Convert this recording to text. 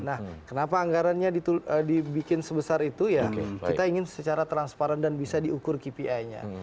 nah kenapa anggarannya dibikin sebesar itu ya kita ingin secara transparan dan bisa diukur kpi nya